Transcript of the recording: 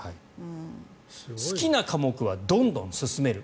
好きな科目はどんどん進める。